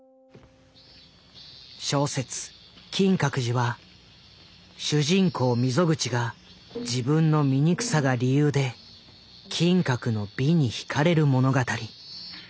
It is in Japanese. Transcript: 小説「金閣寺」は主人公溝口が自分の醜さが理由で金閣の「美」にひかれる物語。